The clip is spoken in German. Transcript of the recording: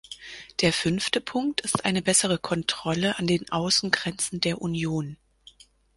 Der fünfte Punkt ist eine bessere Kontrolle an den Außengrenzen der Union.